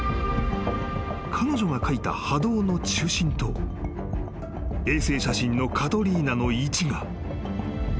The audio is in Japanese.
［彼女が描いた波動の中心と衛星写真のカトリーナの位置が］